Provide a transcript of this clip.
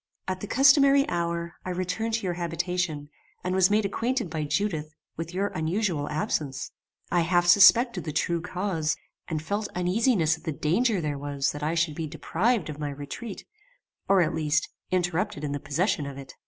"At the customary hour, I returned to your habitation, and was made acquainted by Judith, with your unusual absence. I half suspected the true cause, and felt uneasiness at the danger there was that I should be deprived of my retreat; or, at least, interrupted in the possession of it.